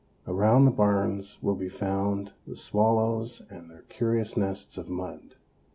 Around the barns will be found the swallows and their curious nests of mud.